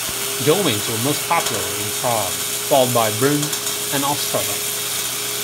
Domains were most popular in Prague, followed by Brno and Ostrava.